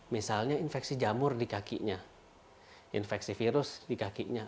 misalnya infeksi jamur di kakinya infeksi virus di kakinya